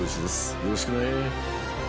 よろしくね。